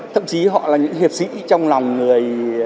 thậm chí họ là những hiệp sĩ trong lòng người